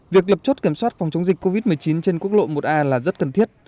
việc lập chốt kiểm soát phòng chống dịch covid một mươi chín trên quốc lộ một a là rất cần thiết